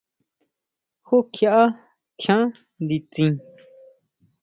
¿Jú kjiʼá tjián nditsin?